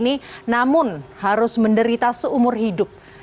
namun harus menderita seumur hidup